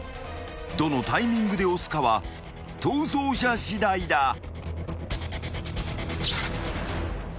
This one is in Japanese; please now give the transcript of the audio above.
［どのタイミングで押すかは逃走者しだいだ］